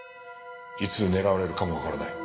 いつ狙われるかもわからない。